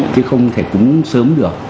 thì không thể cúng sớm được